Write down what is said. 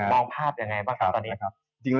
มองภาพยังไงบ้างตอนนี้